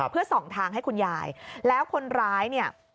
เพื่อส่องทางให้คุณยายแล้วคนร้ายเนี่ย